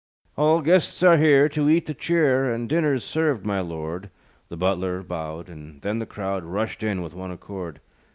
"All guests are here, To eat the cheer, And dinner's served, my Lord." The butler bowed; And then the crowd Rushed in with one accord.